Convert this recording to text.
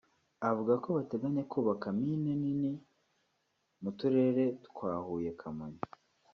avuga ko bateganya kubaka mine nini mu turere twa Huye Kamonyi